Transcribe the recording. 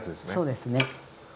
そうですね。